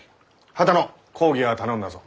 波多野講義は頼んだぞ。